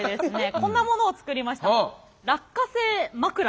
こんなものを作りました。